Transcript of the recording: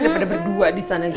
daripada berdua di sana juga